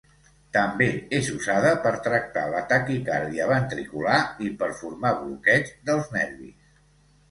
També és usada per tractar la taquicàrdia ventricular i per formar bloqueig dels nervis.